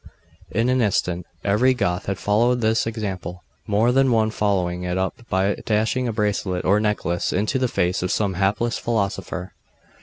In an instant every Goth had followed his example: more than one following it up by dashing a bracelet or necklace into the face of some hapless philosophaster.